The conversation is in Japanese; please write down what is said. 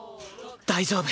大丈夫！